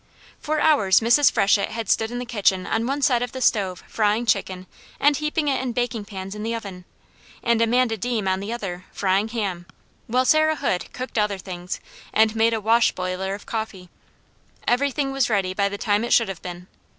For hours Mrs. Freshett had stood in the kitchen on one side of the stove frying chicken and heaping it in baking pans in the oven, and Amanda Deam on the other, frying ham, while Sarah Hood cooked other things, and made a wash boiler of coffee. Everything was ready by the time it should have been.